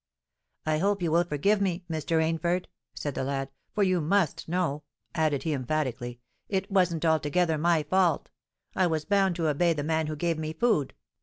"I hope you will forgive me, Mr. Rainford," said the lad: "for you must know," added he emphatically, "it wasn't altogether my fault. I was bound to obey the man who gave me food.